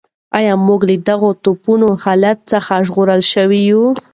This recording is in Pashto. ایا موږ له دغه توپاني حالت څخه وژغورل شوو؟